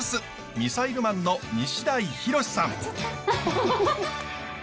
ミサイルマンの西代洋さん。